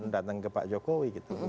datang ke pak jokowi gitu